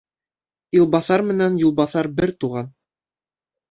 Илбаҫар менән юлбаҫар бер туған.